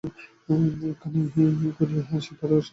এক-একখানি করিয়া সে ধরে, শেষ না করিয়া আর ছড়িতে পারে না।